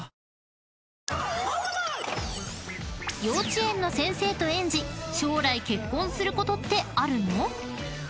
［幼稚園の先生と園児将来結婚することってあるの？］